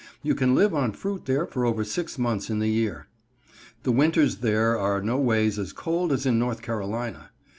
You can live on fruit there over six months in the year. The winters there are no ways as cold as in North Carolina.